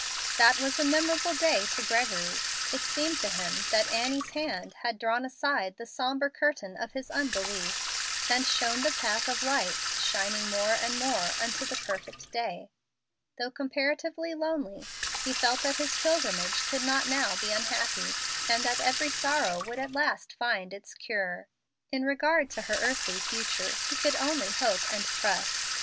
That was a memorable day to Gregory. It seemed to him that Annie's hand had drawn aside the sombre curtain of his unbelief, and shown the path of light shining more and more unto the perfect day. Though comparatively lonely, he felt that his pilgrimage could not now be unhappy, and that every sorrow would at last find its cure. In regard to her earthly future he could only hope and trust.